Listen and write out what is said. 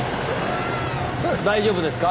大丈夫ですか？